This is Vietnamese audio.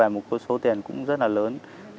một số tiền cũng rất là lớn